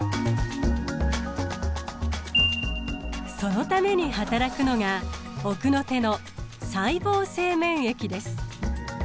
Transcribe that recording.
そのためにはたらくのが奥の手の細胞性免疫です。